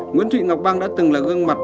nguyễn thụy ngọc bang đã từng là gương mặt